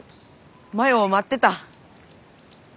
真与を待ってた。